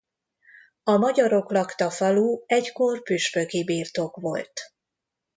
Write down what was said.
A magyarok lakta falu egykor püspöki birtok volt.